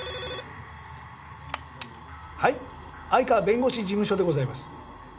☎はい相川弁護士事務所でございます。